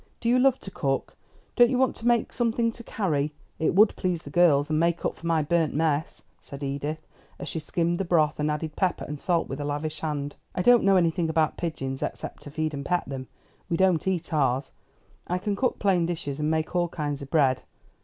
Do you love to cook? Don't you want to make something to carry? It would please the girls, and make up for my burnt mess," said Edith, as she skimmed the broth and added pepper and salt with a lavish hand: "I don't know anything about pigeons, except to feed and pet them. We don't eat ours. I can cook plain dishes, and make all kinds of bread.